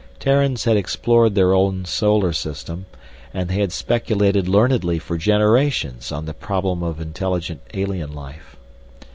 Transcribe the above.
Terrans had explored their own solar system, and they had speculated learnedly for generations on the problem of intelligent alien life.